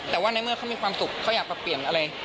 แต่ว่าในเมื่อเขามีความสุขเขาอยากปรับเปลี่ยนอะไร